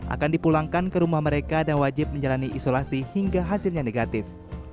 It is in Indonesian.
akan dipulangkan ke rumah mereka dan wajib menjalani isolasi hingga hasilnya negatif